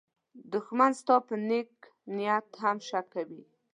دښمن ستا پر نېک نیت هم شک کوي